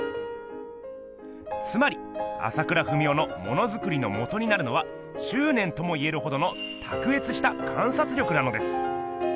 つまり朝倉文夫のものづくりのもとになるのはしゅうねんとも言えるほどのたくえつした観察力なのです。